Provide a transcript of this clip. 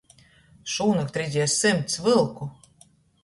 Šūnakt redzieju symts vylku!